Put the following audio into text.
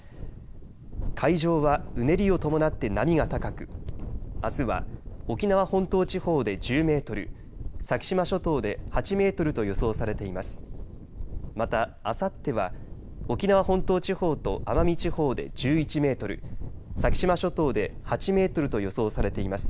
海上はうねりを伴って波が高くあすは沖縄本島地方で１０メートル先島諸島で８メートルと予想されています。